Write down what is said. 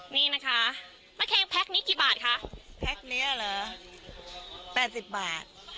นี่นะคะมะเค็งแพ็คนี้กี่บาทคะแพ็คนี้เหรอ๘๐บาท